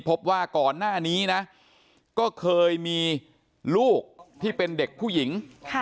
พบว่าก่อนหน้านี้นะก็เคยมีลูกที่เป็นเด็กผู้หญิง